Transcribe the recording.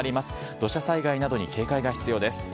土砂災害などに警戒が必要です。